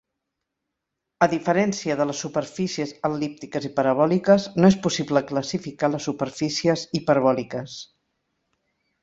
A diferència de les superfícies el·líptiques i parabòliques, no és possible classificar les superfícies hiperbòliques.